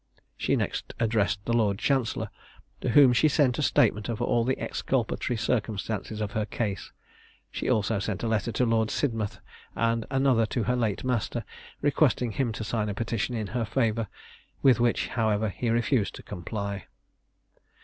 She next addressed the lord chancellor, to whom she sent a statement of all the exculpatory circumstances of her case. She also sent a letter to Lord Sidmouth, and another to her late master, requesting him to sign a petition in her favour, with which however he refused to comply.